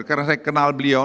karena saya kenal beliau